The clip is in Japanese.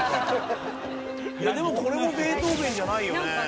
いやでもこれもベートーヴェンじゃないよね。